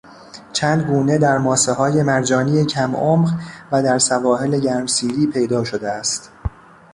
چند گونه در ماسههای مرجانی کمعمق و در سواحل گرمسیری پیدا شده است.